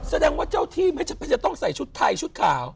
แสดงว่าเจ้าที่ไม่จำเป็นจะต้องใส่ชุดไทยชุดขาว